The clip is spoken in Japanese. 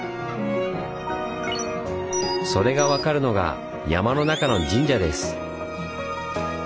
それが分かるのが山の中の神社です。